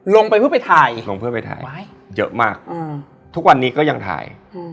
ลงไปเพื่อไปถ่ายลงเพื่อไปถ่ายเยอะมากทุกวันนี้ก็ยังถ่าย